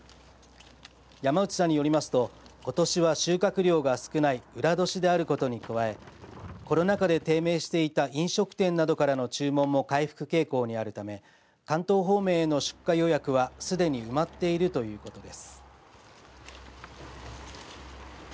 山内さんによりますとことしは収穫量が少ない裏年であることに加えコロナ禍で低迷していた飲食店などからの注文も回復傾向にあるため関東方面への出荷予約はすでに埋まっているということです。